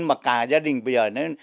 mà cả gia đình bây giờ